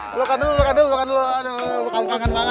pelukan dulu pelukan dulu pelukan dulu